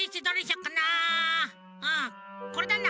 うんこれだな。